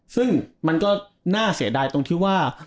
ซึ่งมันก็น่าเสียดายตรงที่ว่า